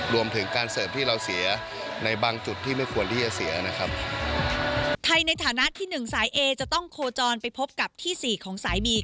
รวมถึงการเสิร์ฟที่เราเสียในบางจุดที่ไม่ควรที่จะเสียนะครับไทยในฐานะที่หนึ่งสายเอจะต้องโคจรไปพบกับที่สี่ของสายบี